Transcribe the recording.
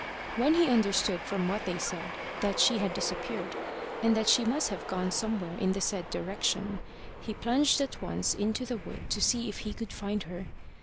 When he understood from what they said that she had disappeared, and that she must have gone somewhere in the said direction, he plunged at once into the wood to see if he could find her.